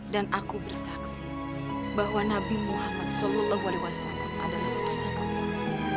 dan aku bersaksi bahwa nabi muhammad saw adalah putusan allah